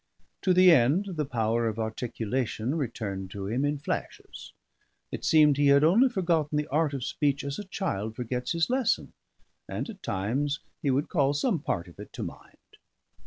To the end, the power of articulation returned to him in flashes; it seemed he had only forgotten the art of speech as a child forgets his lesson, and at times he would call some part of it to mind.